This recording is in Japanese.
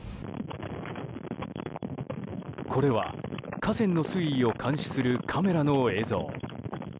これは、河川の水位を監視するカメラの映像。